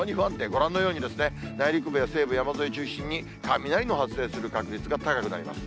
ご覧のように、内陸部や西部山沿い中心に、雷の発生する確率が高くなります。